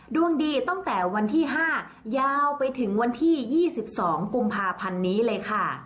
ดวงดีตั้งแต่วันที่๕ยาวไปถึงวันที่๒๒กุมภาพันธ์นี้เลยค่ะ